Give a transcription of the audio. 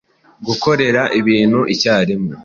Gukorera ibintu icyarimwe;